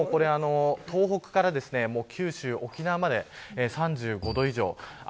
連日東北から九州、沖縄まで３５度以上。